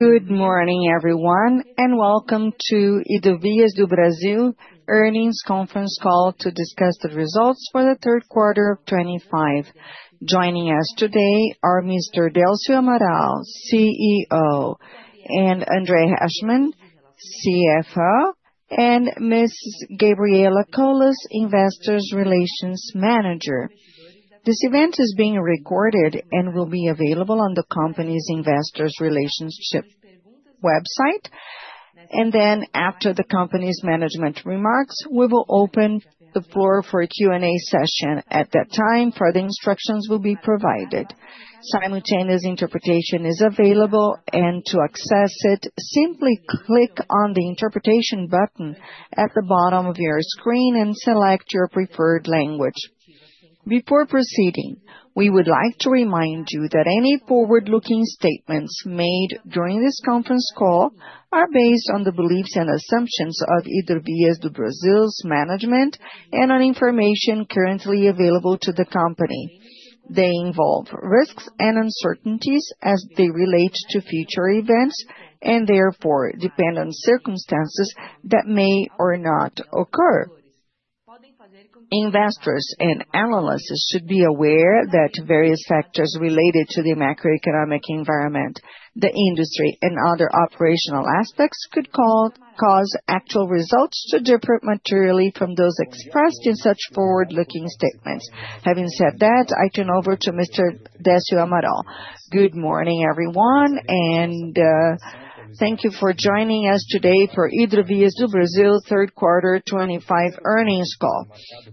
Good morning, everyone, and Welcome to Hidrovias do Brasil Earnings Conference Call to discuss the results for the Q3 of 2025. Joining us today are Mr. Décio Amaral, CEO, and Andrea Heschman, CFO, and Ms. Gabriela Colas, Investor Relations Manager. This event is being recorded and will be available on the company's Investor Relations website. After the company's management remarks, we will open the floor for a Q and A session. At that time, further instructions will be provided. Simultaneous interpretation is available, and to access it, simply click on the interpretation button at the bottom of your screen and select your preferred language. Before proceeding, we would like to remind you that any forward-looking statements made during this conference call are based on the beliefs and assumptions of Hidrovias do Brasil's management and on information currently available to the company. They involve risks and uncertainties as they relate to future events and, therefore, depend on circumstances that may or may not occur. Investors and analysts should be aware that various factors related to the macroeconomic environment, the industry, and other operational aspects could cause actual results to differ materially from those expressed in such forward-looking statements. Having said that, I turn over to Mr. Décio Amaral. Good morning, everyone, and thank you for joining us today for Hidrovias do Brasil Q3 2025 earnings call.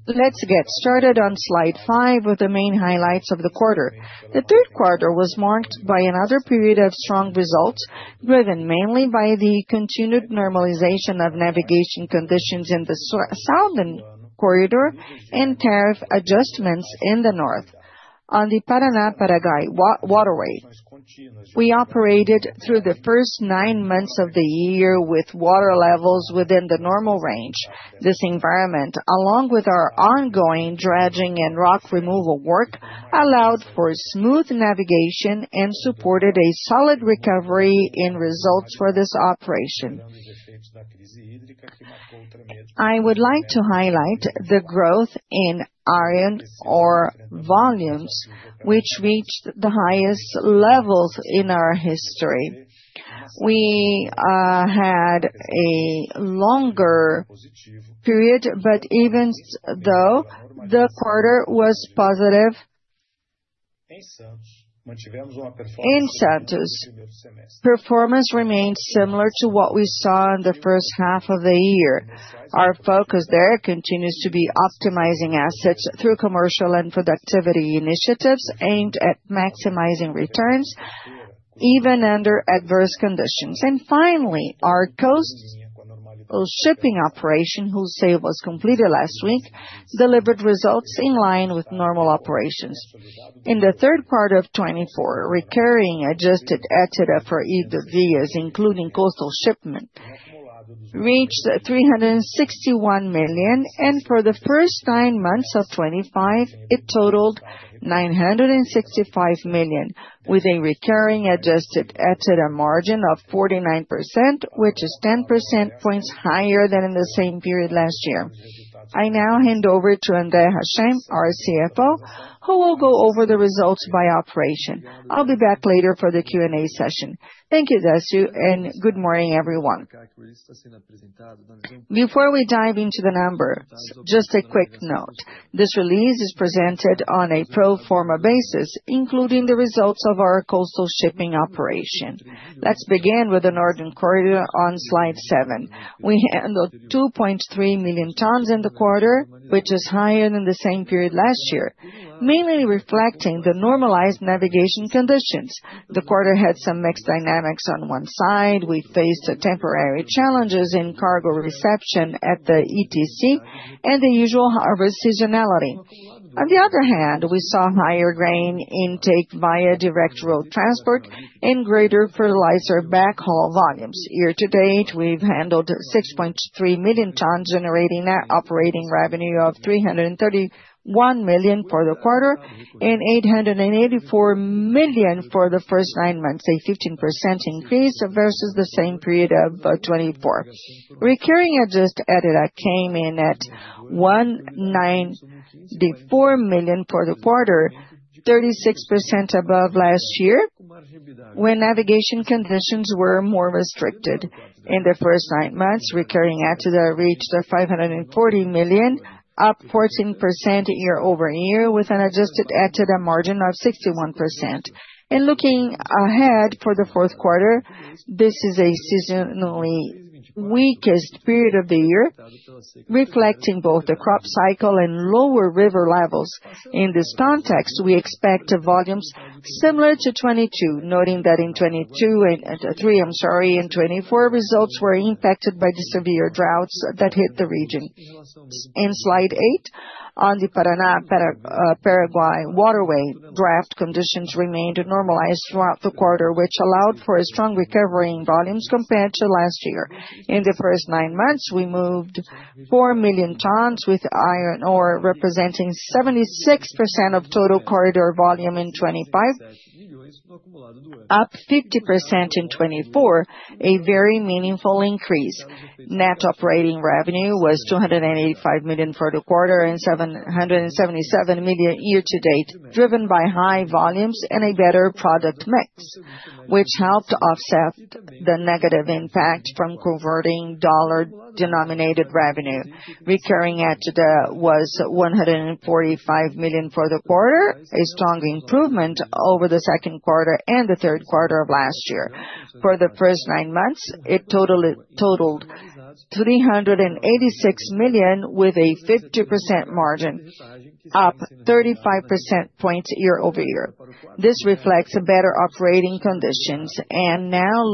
Let's get started on slide five with the main highlights of the quarter. The Q3 was marked by another period of strong results, driven mainly by the continued normalization of navigation conditions in the southern corridor and tariff adjustments in the north. On the Paraná-Paraguay Waterway. We operated through the first nine months of the year with water levels within the normal range. This environment, along with our ongoing dredging and rock removal work, allowed for smooth navigation and supported a solid recovery in results for this operation. I would like to highlight the growth in volumes, which reached the highest levels in our history. We had a longer period, but even though the quarter was positive, meanwhile, performance remained similar to what we saw in the first half of the year. Our focus there continues to be optimizing assets through commercial and productivity initiatives aimed at maximizing returns even under adverse conditions. Finally, our coastal shipping operation, whose sale was completed last week, delivered results in line with normal operations, in the Q3 of 2024, recurring adjusted EBITDA for Hidrovias. Including coastal shipment, reached $361 million, and for the first nine months of 2024, it totaled $965 million, with a recurring adjusted EBITDA margin of 49%, which is 10% points higher than in the same period last year. I now hand over to Andrea Heschman, our CFO, who will go over the results by operation. I'll be back later for the Q and A session. Thank you, Delcio, and good morning, everyone. Before we dive into the numbers, just a quick note: this release is presented on a pro forma basis, including the results of our coastal shipping operation. Let's begin with the northern corridor on slide seven. We handled 2.3 million tons in the quarter, which is higher than the same period last year, mainly reflecting the normalized navigation conditions. The quarter had some mixed dynamics on one side. We faced temporary challenges in cargo reception at the ETC and the usual harvest seasonality. On the other hand, we saw higher grain intake via direct road transport and greater fertilizer backhaul volumes. Year to date, we've handled 6.3 million tons, generating an operating revenue of $331 million for the quarter and $884 million for the first nine months, a 15% increase versus the same period of 2024. Recurring adjusted EBITDA came in at $194 million for the quarter, 36% above last year when navigation conditions were more restricted. In the first nine months, recurring EBITDA reached $540 million, up 14% year over year, with an adjusted EBITDA margin of 61%. Looking ahead for the Q4, this is a seasonally weakest period of the year, reflecting both the crop cycle and lower river levels. In this context, we expect volumes similar to 2022, noting that in 2023, I'm sorry, in 2024, results were impacted by the severe droughts that hit the region. In slide eight, on the Paraná-Paraguay waterway, draft conditions remained normalized throughout the quarter, which allowed for strong recovery in volumes compared to last year. In the first nine months, we moved 4 million tons, with iron ore representing 76% of total corridor volume in 2025, up 50% in 2024, a very meaningful increase. Net operating revenue was $285 million for the quarter and $777 million year to date, driven by high volumes and a better product mix, which helped offset the negative impact from converting dollar-denominated revenue. Recurring EBITDA was $145 million for the quarter, a strong improvement over the Q2 and the Q3 of last year. For the first nine months, it totaled $386 million, with a 50% margin, up 35 percentage points year over year. This reflects better operating conditions.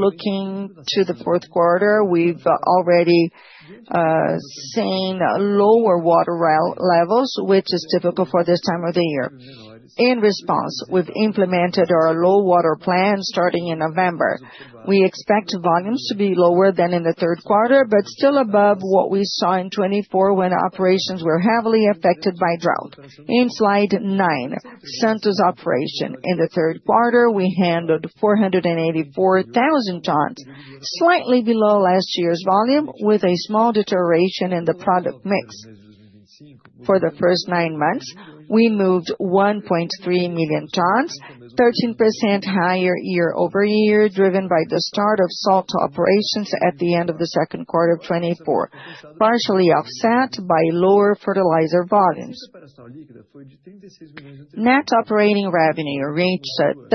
Looking to the Q4, we've already seen lower water levels, which is typical for this time of the year. In response, we've implemented our low water plan starting in November. We expect volumes to be lower than in the Q3, but still above what we saw in 2024 when operations were heavily affected by drought. In slide nine, centers operation. In the Q3, we handled 484,000 tons, slightly below last year's volume, with a small deterioration in the product mix. For the first nine months, we moved 1.3 million tons, 13% higher year over year, driven by the start of salt operations at the end of the Q2 of 2024. Partially offset by lower fertilizer volumes, net operating revenue reached $36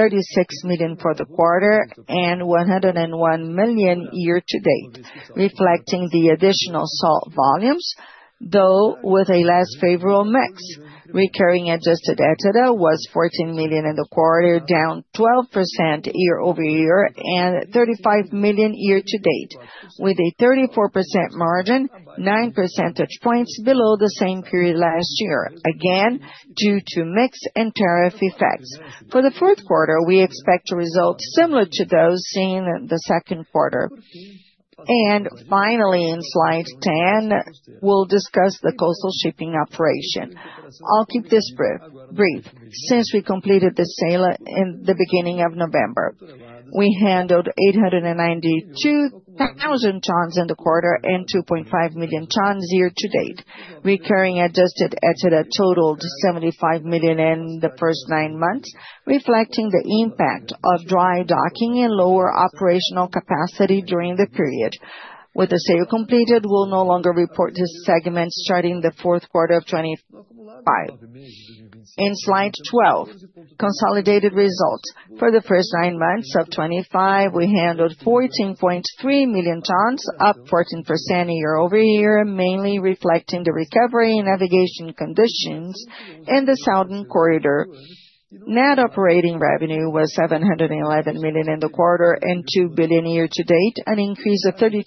million for the quarter and $101 million year to date, reflecting the additional salt volumes, though with a less favorable mix. Recurring adjusted EBITDA was $14 million in the quarter, down 12% year over year, and $35 million year to date, with a 34% margin, 9 percentage points below the same period last year, again due to mix and tariff effects. For the Q4, we expect results similar to those seen in the Q2. Finally, in slide ten, we'll discuss the coastal shipping operation. I'll keep this brief. Since we completed the sale in the beginning of November, we handled 892,000 tons in the quarter and 2.5 million tons year to date. Recurring adjusted EBITDA totaled $75 million in the first nine months. Reflecting the impact of dry docking and lower operational capacity during the period. With the sale completed, we'll no longer report this segment starting the Q4 of 2025. In slide twelve, consolidated results. For the first nine months of 2025, we handled 14.3 million tons, up 14% year over year, mainly reflecting the recovery in navigation conditions in the southern corridor. Net operating revenue was $711 million in the quarter and $2 billion year to date, an increase of 32%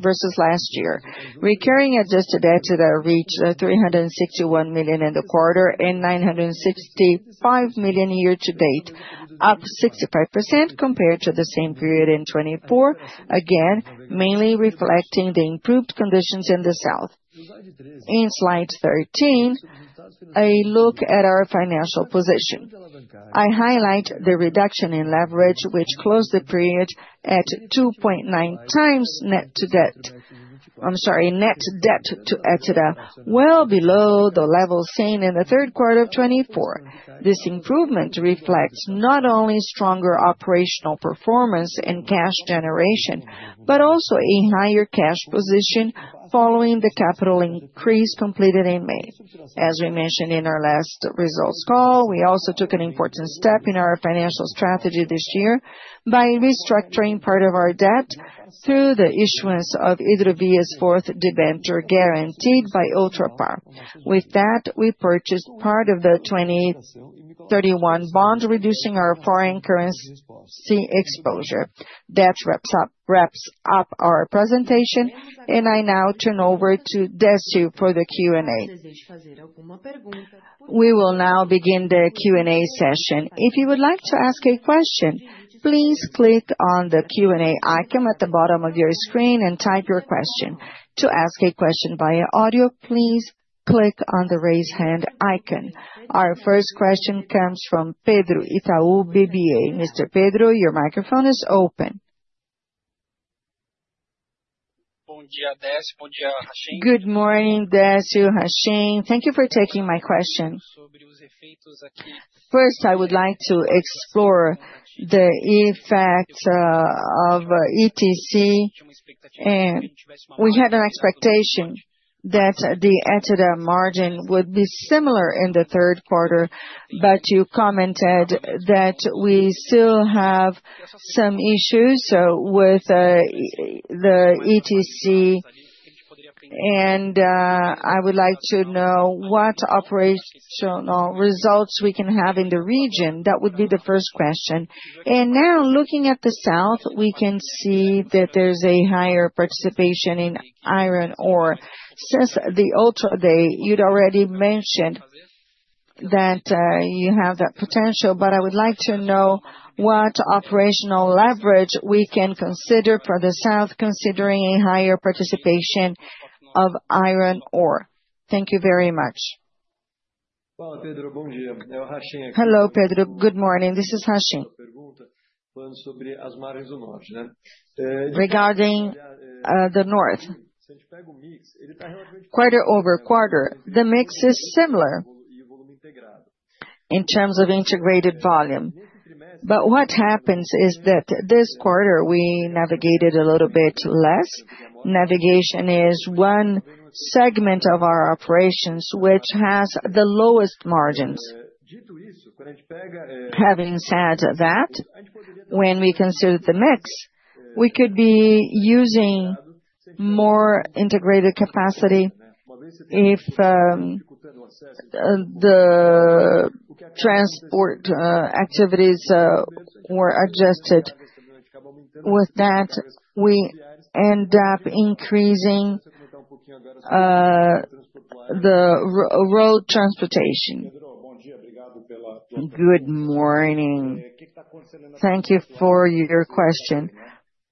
versus last year. Recurring adjusted EBITDA reached $361 million in the quarter and $965 million year to date, up 65% compared to the same period in 2024, again mainly reflecting the improved conditions in the south. In slide thirteen, a look at our financial position, I highlight the reduction in leverage. Which closed the period at 2.9 times net debt to EBITDA, well below the level seen in the Q3 of 2024. This improvement reflects not only stronger operational performance and cash generation, but also a higher cash position following the capital increase completed in May. As we mentioned in our last results call, we also took an important step in our financial strategy this year by restructuring part of our debt through the issuance of Hidrovias' fourth debenture guaranteed by Ultrapar. With that, we purchased part of the 2031 bond, reducing our foreign currency exposure. That wraps up our presentation, and I now turn over to Delcio for the Q&A. We will now begin the Q&A session. If you would like to ask a question, please click on the Q and A icon. At the bottom of your screen and type your question. To ask a question via audio, please click on the raise hand icon. Our first question comes from Pedro Itaú, BBA. Mr. Pedro, your microphone is open. Good morning, Delcio. Good morning, Delcio Heschman. Thank you for taking my question. First, I would like to explore the effect of ETC, and we had an expectation that the EBITDA margin would be similar in the Q3, but you commented that we still have some issues with the ETC, and I would like to know what operational results we can have in the region. That would be the first question. Now, looking at the south, we can see that there's a higher participation in iron ore. Since the other day, you'd already mentioned that you have that potential. But I would like to know what operational leverage we can consider for the south, considering a higher participation of iron ore. Thank you very much. Hello, Pedro. Good morning. This is Heschman. Regarding the north, quarter over quarter, the mix is similar in terms of integrated volume. What happens is that this quarter we navigated a little bit less. Navigation is one segment of our operations which has the lowest margins. Having said that, when we consider the mix, we could be using more integrated capacity if the transport activities were adjusted. With that, we end up increasing the road transportation. Good morning. Thank you for your question.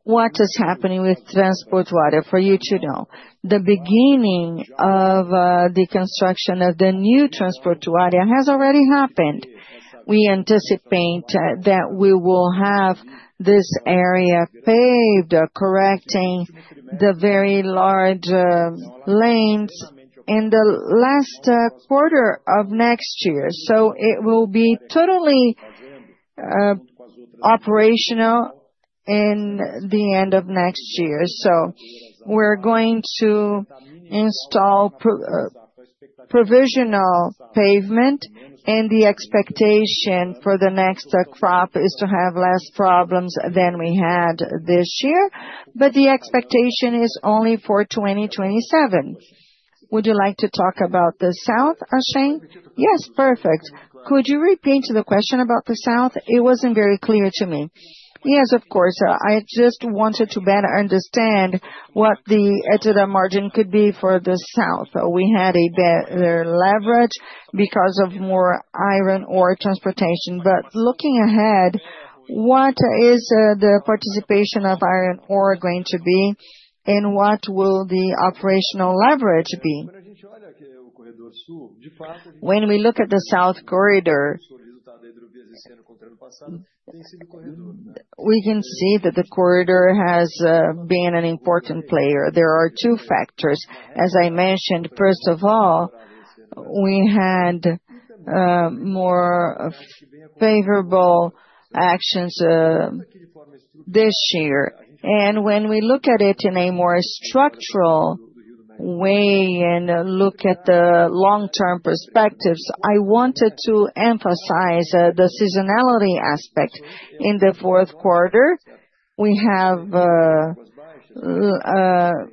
What is happening with transport water? For you to know, the beginning of the construction of the new transport area has already happened. We anticipate that we will have this area paved, correcting the very large lanes in the last quarter of next year. So it will be totally operational in the end of next year. We're going to install provisional pavement, and the expectation for the next crop is to have less problems than we had this year, but the expectation is only for 2027. Would you like to talk about the south, Heschman? Yes, perfect. Could you repeat the question about the south? It wasn't very clear to me. Yes, of course. I just wanted to better understand what the EBITDA margin could be for the south. We had better leverage because of more iron ore transportation. But looking ahead, what is the participation of iron ore going to be, and what will the operational leverage be? When we look at the south corridor, we can see that the corridor has been an important player. There are two factors. As I mentioned, first of all, we had more favorable conditions this year. When we look at it in a more structural way and look at the long-term perspectives, I wanted to emphasize the seasonality aspect. In the Q4, we have lower water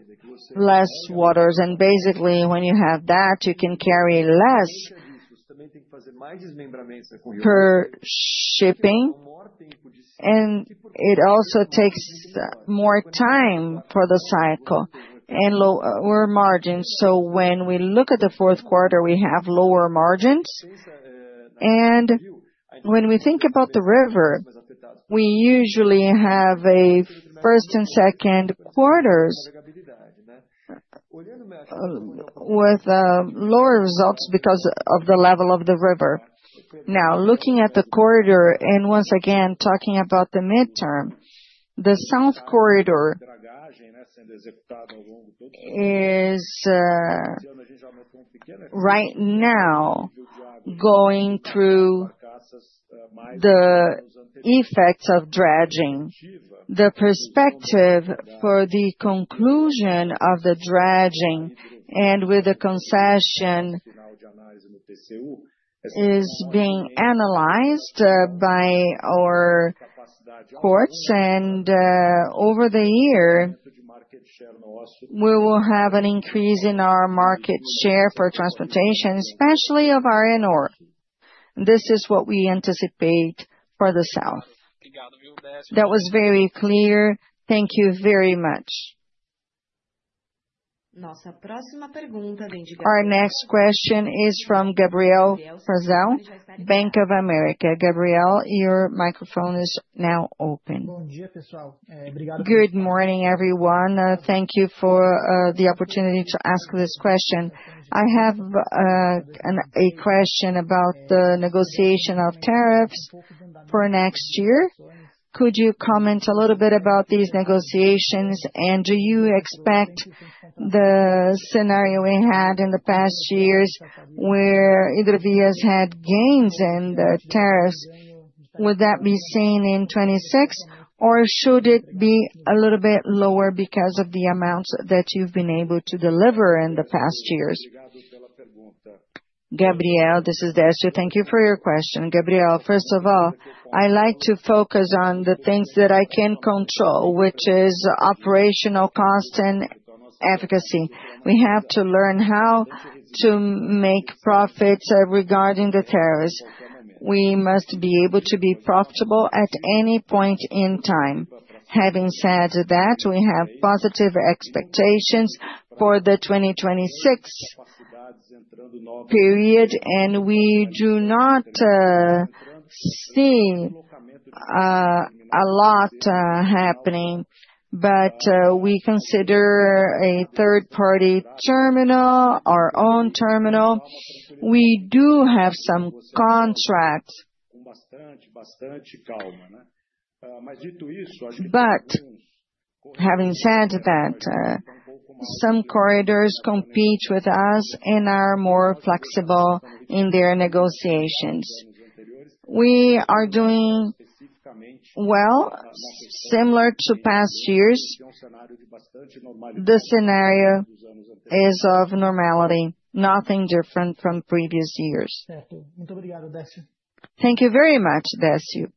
levels. Basically, when you have that, you can carry less per shipping, and it also takes more time for the cycle and lower margins. So when we look at the Q4, we have lower margins. When we think about the river, we usually have first and Q2s with lower results because of the level of the river. Now, looking at the corridor, and once again talking about the midterm. The south corridor is right now going through the effects of dredging. The perspective for the conclusion of the dredging and with the concession is being analyzed by our ports. Over the year, we will have an increase in our market share for transportation, especially of iron ore. This is what we anticipate for the south. That was very clear. Thank you very much. Our next question is from Gabriel Frazão, Bank of America. Gabriel, your microphone is now open. Bom dia, pessoal. Good morning, everyone. Thank you for the opportunity to ask this question. I have a question about the negotiation of tariffs for next year. Could you comment a little bit about these negotiations, and do you expect the scenario we had in the past years where Hidrovias had gains in the tariffs? Would that be seen in '26, or should it be a little bit lower because of the amounts that you've been able to deliver in the past years? Gabriel, this is Delcio. Thank you for your question. Gabriel, first of all, I like to focus on the things that I can control, which are operational costs and efficacy. We have to learn how to make profits regarding the tariffs. We must be able to be profitable at any point in time. Having said that, we have positive expectations for the 2026 period, and we do not see a lot happening. But we consider a third-party terminal, our own terminal. We do have some contracts. But having said that, some corridors compete with us and are more flexible in their negotiations. We are doing well. Similar to past years, the scenario is of normality, nothing different from previous years. Thank you very much, Delcio.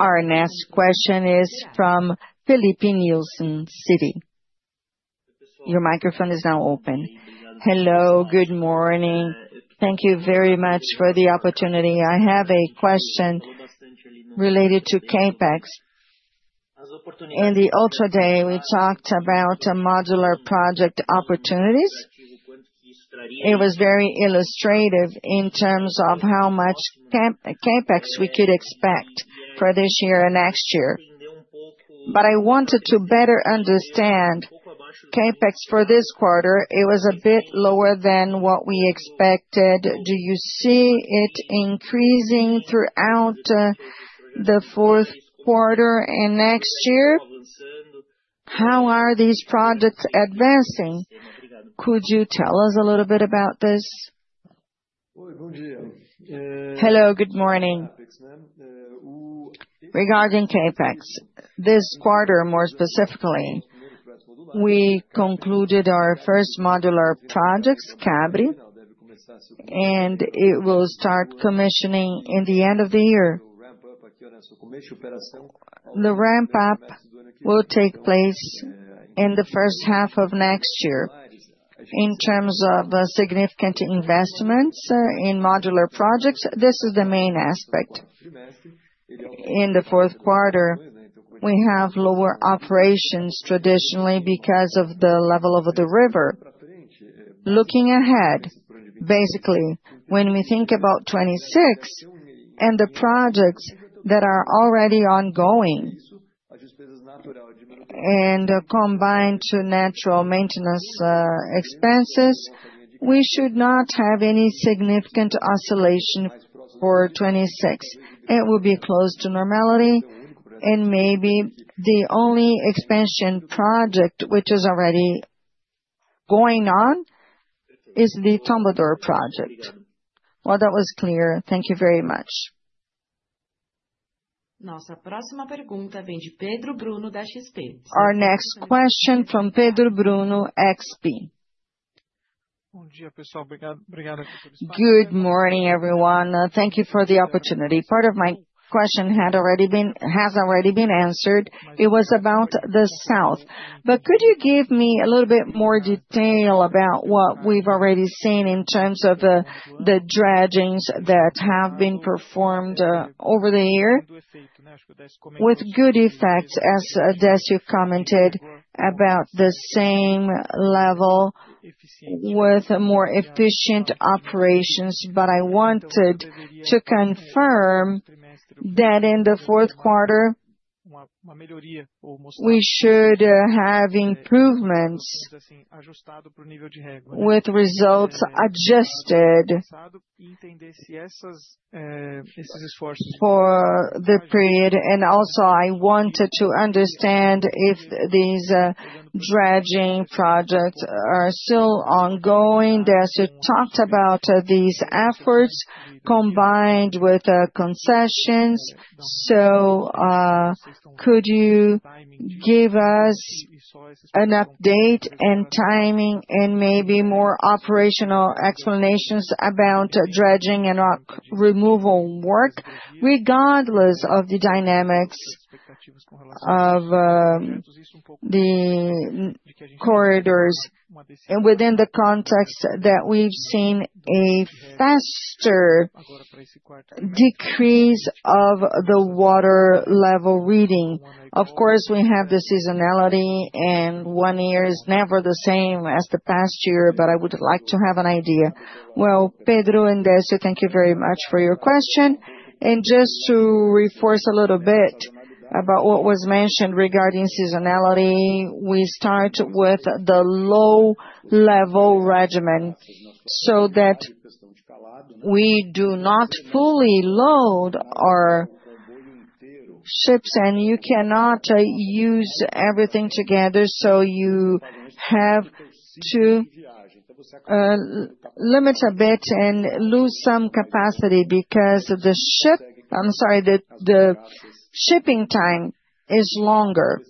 Our next question is from Felipe Nilson City. Your microphone is now open. Hello, good morning. Thank you very much for the opportunity. I have a question related to CAPEX. In the ultra day, we talked about modular project opportunities. It was very illustrative in terms of how much CAPEX we could expect for this year and next year. I wanted to better understand CAPEX for this quarter. It was a bit lower than what we expected. Do you see it increasing throughout the Q4 and next year? How are these projects advancing? Could you tell us a little bit about this? Hello, good morning. Regarding CAPEX, this quarter, more specifically. We concluded our first modular projects, CABRI, and it will start commissioning at the end of the year. The ramp-up will take place in the first half of next year. In terms of significant investments in modular projects, this is the main aspect. In the Q4, we have lower operations traditionally because of the level of the river. Looking ahead, basically, when we think about 2026 and the projects that are already ongoing and combined to natural maintenance expenses, we should not have any significant oscillation for 2026. It will be close to normality, and maybe the only expansion project which is already going on is the Tombador project. That was clear. Thank you very much. Our next question from Pedro Bruno, XP. Good morning, everyone. Thank you for the opportunity. Part of my question has already been answered. It was about the south. But could you give me a little bit more detail about what we've already seen in terms of the dredgings that have been performed over the year with good effect, as Delcio commented, about the same level with more efficient operations? But I wanted to confirm that in the Q4, we should have improvements with results adjusted for the period. Also, I wanted to understand if these dredging projects are still ongoing. Delcio talked about these efforts combined with concessions. Could you give us an update and timing and maybe more operational explanations about dredging and rock removal work, regardless of the dynamics of the corridors and within the context that we've seen a faster decrease of the water level reading? Of course, we have the seasonality, and one year is never the same as the past year, but I would like to have an idea. Pedro and Delcio, thank you very much for your question. Just to reinforce a little bit about what was mentioned regarding seasonality, we start with the low-level regimen so that we do not fully load our ships, and you cannot use everything together. You have to limit a bit and lose some capacity because the shipping time is longer.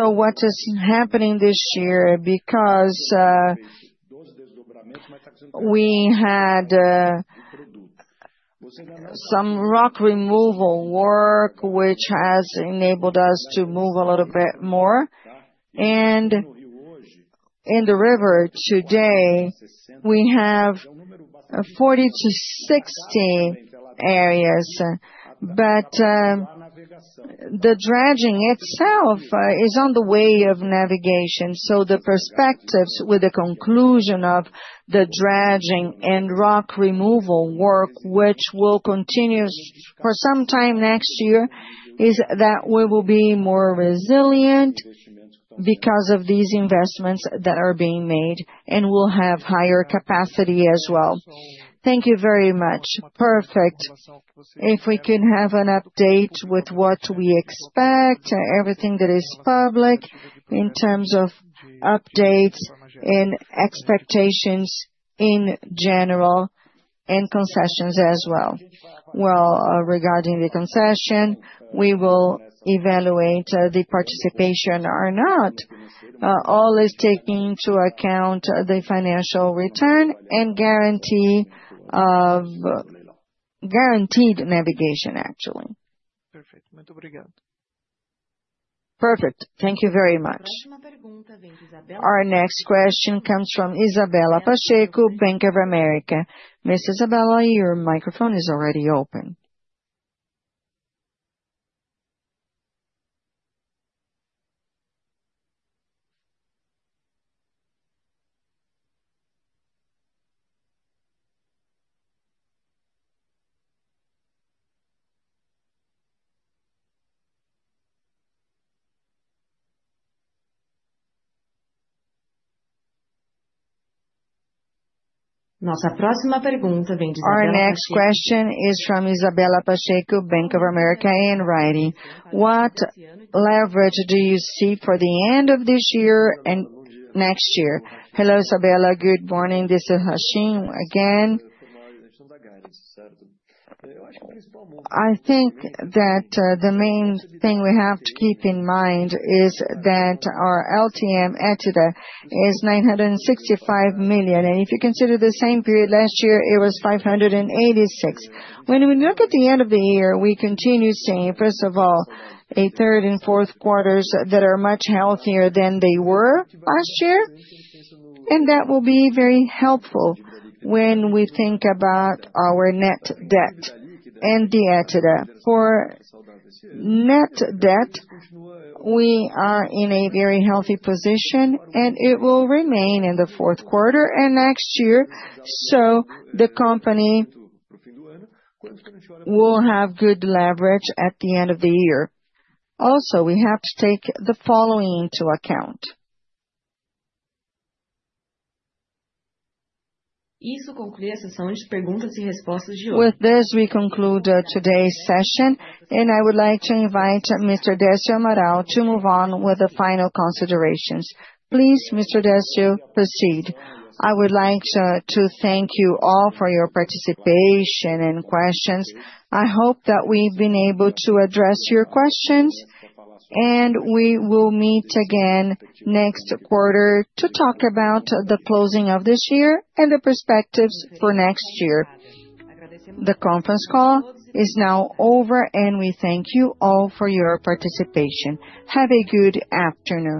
What is happening this year? Because we had some rock removal work, which has enabled us to move a little bit more. In the river today, we have 40 to 60 areas, but the dredging itself is on the way of navigation. So the perspectives with the conclusion of the dredging and rock removal work. Which will continue for some time next year, is that we will be more resilient because of these investments that are being made and will have higher capacity as well. Thank you very much. Perfect. If we can have an update with what we expect, everything that is public in terms of updates and expectations in general and concessions as well. Regarding the concession, we will evaluate the participation or not. All is taking into account the financial return and guarantee of guaranteed navigation, actually. Perfect. Thank you very much. Our next question comes from Isabela Pacheco, Bank of America. Ms. Isabela, your microphone is already open. Our next question is from Isabela Pacheco, Bank of America. What leverage do you see for the end of this year and next year? Hello, Isabela. Good morning. This is Heschman again. I think that the main thing we have to keep in mind is that our LTM EBITDA is $965 million. If you consider the same period last year, it was $586 million. When we look at the end of the year, we continue seeing, first of all, a third and Q4 that are much healthier than they were last year. That will be very helpful when we think about our net debt and the EBITDA. For net debt, we are in a very healthy position, and it will remain in the Q4 and next year. The company will have good leverage at the end of the year. Also, we have to take the following into account. Isso conclui a sessão de perguntas e respostas de hoje. With this, we conclude today's session, and I would like to invite Mr. Delcio Amaral to move on with the final considerations. Please, Mr. Delcio, proceed. I would like to thank you all for your participation and questions. I hope that we've been able to address your questions, and we will meet again next quarter to talk about the closing of this year and the perspectives for next year. The conference call is now over, and we thank you all for your participation. Have a good afternoon.